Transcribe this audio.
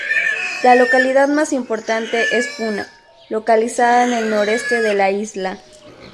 La localidad más importante es Puná, localizada en el noreste de la isla.